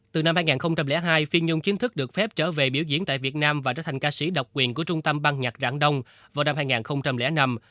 từ năm hai nghìn hai phiên nhung chính thức được phép trở về biểu diễn tại việt nam và trở thành ca sĩ độc quyền của trung tâm băng nhạc rãng đông vào năm hai nghìn năm